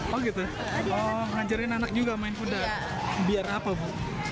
biar apa bu